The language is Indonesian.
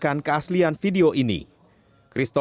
sehingga di atas meja tidak ada lagi paper bag